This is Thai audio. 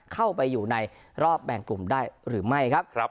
เข้าไปอยู่ในรอบแบ่งกลุ่มได้หรือไม่ครับ